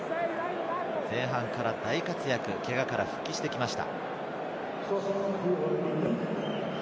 前半から大活躍、けがから復帰してきました。